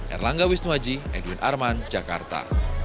erlangga wisnuaji edwin arman jakarta